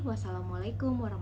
wassalamualaikum wr wb